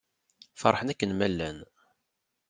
Feṛḥen akken ma llan.